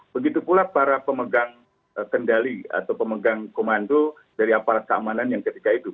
begitu pula para pemegang kendali atau pemegang komando dari aparat keamanan yang ketika itu